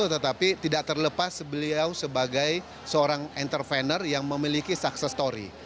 tetapi tidak terlepas beliau sebagai seorang entrepreneur yang memiliki sukses story